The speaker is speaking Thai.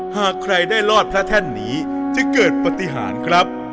หากใครได้รอดพระแท่นนี้จะเกิดปฏิหารครับ